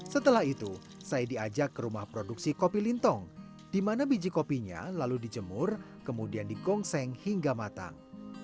setelah itu saya diajak ke rumah produksi kopi lintong di mana biji kopinya lalu dijemur kemudian digongseng hingga matang